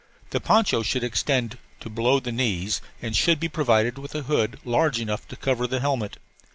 The poncho should extend to below the knees and should be provided with a hood large enough to cover the helmet.